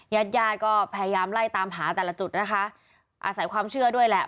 ญาติญาติก็พยายามไล่ตามหาแต่ละจุดนะคะอาศัยความเชื่อด้วยแหละ